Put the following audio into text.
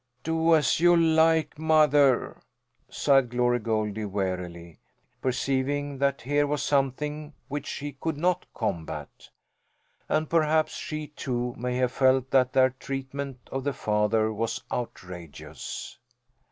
"Do as you like, mother," sighed Glory Goldie wearily, perceiving that here was something which she could not combat. And perhaps she, too, may have felt that their treatment of the father was outrageous.